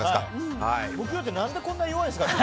木曜って何でこんなに弱いんですかね。